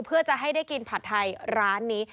เพื่อจะให้ได้กินผัดไทยร้านนี้